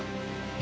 え？